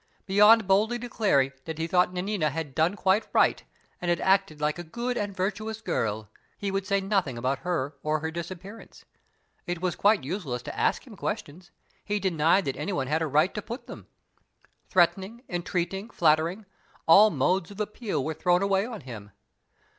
Beyond boldly declaring that he thought Nanina had done quite right, and had acted like a good and virtuous girl, he would say nothing about her or her disappearance. It was quite useless to ask him questions he denied that any one had a right to put them. Threatening, entreating, flattering all modes of appeal were thrown away on him.